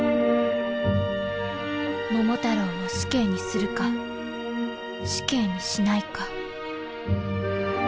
桃太郎を死刑にするか死刑にしないか。